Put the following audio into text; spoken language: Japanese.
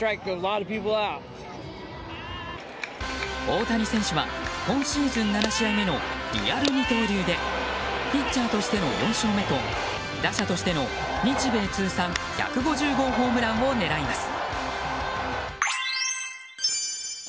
大谷選手は今シーズン７試合目のリアル二刀流でピッチャーとしての４勝目と打者としての日米通算１５０号ホームランを狙います。